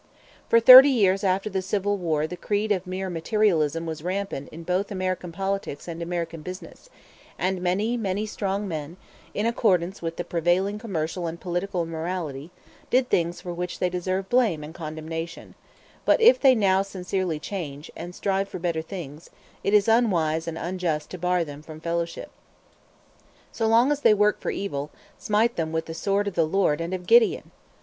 For thirty years after the Civil War the creed of mere materialism was rampant in both American politics and American business, and many, many strong men, in accordance with the prevailing commercial and political morality, did things for which they deserve blame and condemnation; but if they now sincerely change, and strive for better things, it is unwise and unjust to bar them from fellowship. So long as they work for evil, smite them with the sword of the Lord and of Gideon!